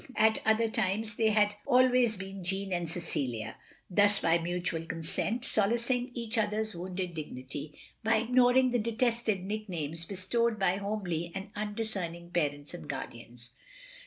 At other times they had been always Jeanne and Cecilia ; thus, by mutual consent, solacing each other's wounded dignity, by ignoring the detested nicknames bestowed by homely and undisceming parents and guardians.